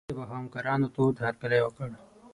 رييس صاحب او همکارانو تود هرکلی وکړ.